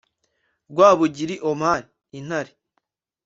Rwabugiri Omar (Intare)